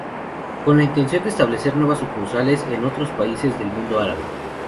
Con la intención de establecer nuevas sucursales en otros países del mundo árabe.